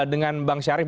dengan bang syarif